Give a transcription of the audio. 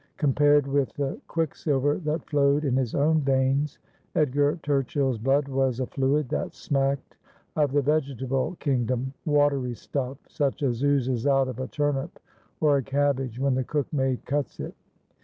Compared with the quick silver that flowed in his own veins, Edgar Turchill's blood was a fluid that smacked of the vegetable kingdom — watery stuff such as oozes out of a turnip or a cabbage when the cook maid cuts it.